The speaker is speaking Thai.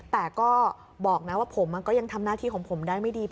แต่ก็บอกนะว่าผมก็ยังทำหน้าที่ของผมได้ไม่ดี